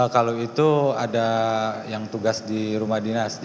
kalau itu ada yang tugas di rumah dinas